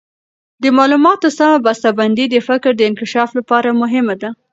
د معلوماتو سمه بسته بندي د فکر د انکشاف لپاره مهمه ده.